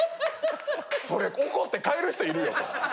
それ怒って帰る人いるよと。